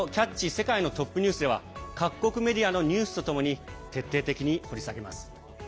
世界のトップニュース」では各国のメディアのニュースとともに徹底的に掘り下げます。